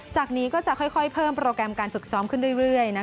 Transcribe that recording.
จากนี้ก็จะค่อยเพิ่มโปรแกรมการฝึกซ้อมขึ้นเรื่อย